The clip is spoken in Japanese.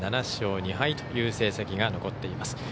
７勝２敗という成績が残っています。